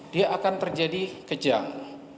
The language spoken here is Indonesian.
dia akan terjadi kejang